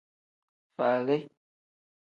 Falii.